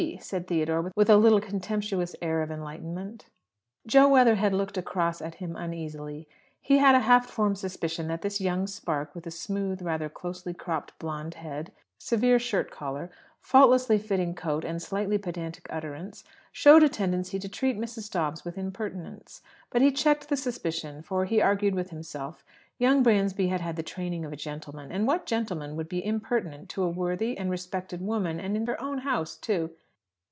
said Theodore, with a little contemptuous air of enlightenment. Jo Weatherhead looked across at him uneasily. He had a half formed suspicion that this young spark with the smooth, rather closely cropped blonde head, severe shirt collar, faultlessly fitting coat, and slightly pedantic utterance, showed a tendency to treat Mrs. Dobbs with impertinence. But he checked the suspicion, for, he argued with himself, young Bransby had had the training of a gentleman. And what gentleman would be impertinent to a worthy and respected woman, and in her own house, too?